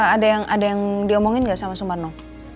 ada yang ada yang diomongin nggak sama sumarno